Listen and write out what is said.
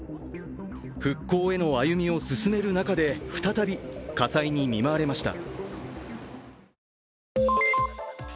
復興への歩みを進める中で再び火災に見舞われました。